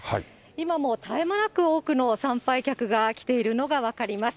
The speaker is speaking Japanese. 今も絶え間なく多くの参拝客が来ているのが分かります。